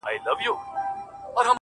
o يوار ئې زده که، بيا ئې در کوزده که.